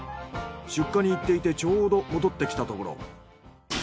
出荷に行っていてちょうど戻ってきたところ。